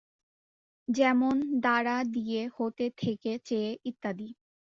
যেমন: -দ্বারা, -দিয়ে, -হতে, -থেকে, -চেয়ে ইত্যাদি।